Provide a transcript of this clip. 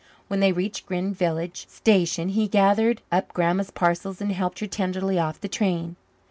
When they reached Green Village station he gathered up Grandma's parcels and helped her tenderly off the train.